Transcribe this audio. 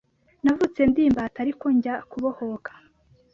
navutse ndi imbata ariko njya kubohoka